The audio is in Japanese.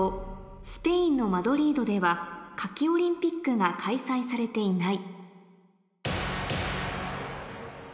「スペインのマドリードでは夏季オリンピックが開催されていない」